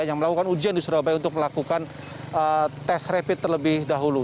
yang melakukan ujian di surabaya untuk melakukan tes rapid terlebih dahulu